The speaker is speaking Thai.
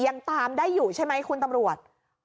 ยังตามได้อยู่ใช่ไหมคุณตำรวจ